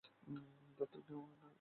দত্তক নেওয়া বাবা।